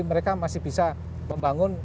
mereka masih bisa membangun